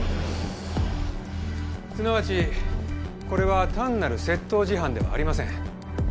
すなわちこれは単なる窃盗事犯ではありません。